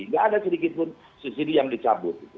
nggak ada sedikitpun subsidi yang dicabut